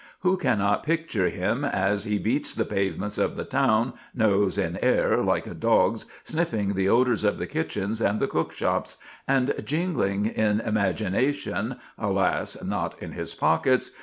Who cannot picture him as "he beats the pavements of the town, nose in air, like a dog's, sniffing the odors of the kitchens and the cook shops"; and "jingling in imagination—alas, not in his pockets!